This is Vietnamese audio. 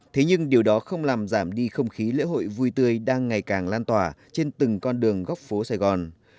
thế nhưng điều đó không làm giảm đi không khí lễ hội vui tươi đang ngày càng lan tỏa trên từng con đường góc phố sài gòn